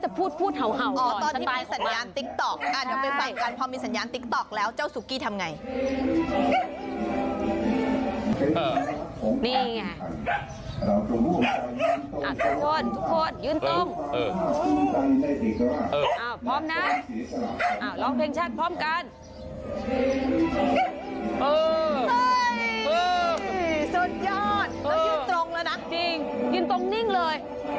สุดยอดแล้วยืนตรงแล้วนะจริงยืนตรงนิ่งเลย